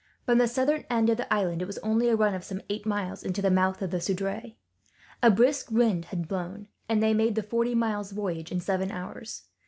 From the southern end of the island, it was only a run of some eight miles into the mouth of the Seudre. A brisk wind had blown, and they made the forty miles' voyage in seven hours.